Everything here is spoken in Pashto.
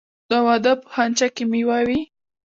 د واده په خنچه کې میوه وي.